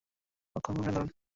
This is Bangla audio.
এই রোগের লক্ষণ খুব সাধারণ।